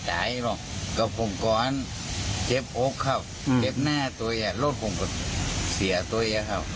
โจนไอหนงครับอ้อแล้วพูดคำว่าไหนครับ